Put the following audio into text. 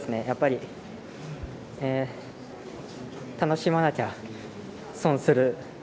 やっぱり、楽しまなきゃ損する。